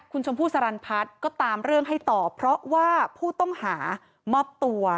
คุณชมพู่สรรพัฒน์ก็ตามเรื่องให้ต่อเพราะว่าผู้ต้องหามอบตัว